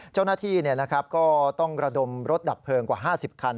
เจ้าหน้าที่ก็ต้องระดมรถดับเพลิงกว่า๕๐คัน